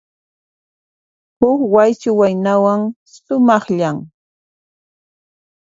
Huk Waychu waynawan, sumaqllan.